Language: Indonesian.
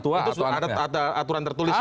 itu ada aturan tertulis ya